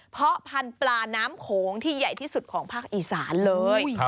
เพราะพันธุ์ปลาน้ำโขงที่ใหญ่ที่สุดของภาคอีสานเลย